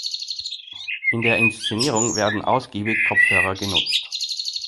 In der Inszenierung werden ausgiebig Kopfhörer genutzt.